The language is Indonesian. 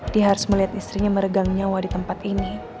dia harus melihat istrinya meregang nyawa di tempat ini